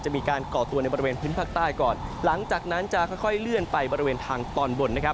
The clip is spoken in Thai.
จะมีการก่อตัวในบริเวณพื้นภาคใต้ก่อนหลังจากนั้นจะค่อยเลื่อนไปบริเวณทางตอนบน